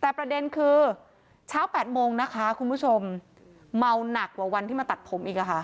แต่ประเด็นคือเช้า๘โมงนะคะคุณผู้ชมเมาหนักกว่าวันที่มาตัดผมอีกอะค่ะ